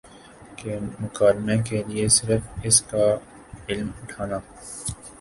کہ مکالمے کے لیے صرف اس کا علم اٹھانا